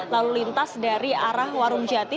lalu lintas dari arah warung jati